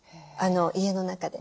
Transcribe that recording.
家の中で。